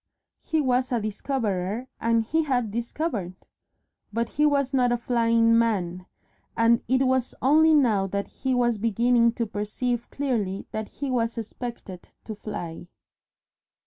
He was a Discoverer and he had Discovered. But he was not a Flying Man, and it was only now that he was beginning to perceive clearly that he was expected to fly.